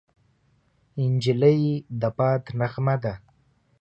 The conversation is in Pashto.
نجلۍ د باد نغمه ده.